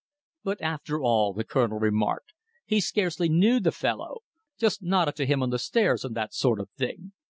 "But, after all," the Colonel remarked, "he scarcely knew the fellow! Just nodded to him on the stairs, and that sort of thing.